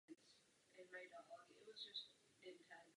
Na tyto oblasti bychom se měli soustředit.